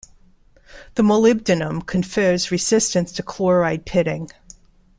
The molybdenum confers resistance to chloride pitting.